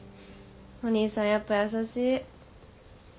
お兄さんやっぱ優しい。